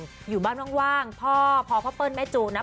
เหมือนกันอยู่บ้านว่างพ่อพ่อเพิ่มแม่จูนะ